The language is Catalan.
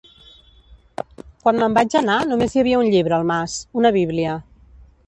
Quan me'n vaig anar només hi havia un llibre al mas, una Bíblia.